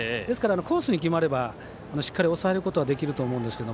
コースに決まればしっかり抑えることはできると思うんですが。